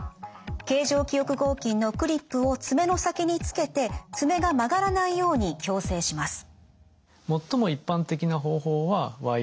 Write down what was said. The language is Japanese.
形状記憶合金のクリップを爪の先につけて爪が曲がらないように矯正します。